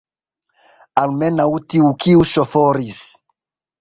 Almenaŭ tiu, kiu ŝoforis!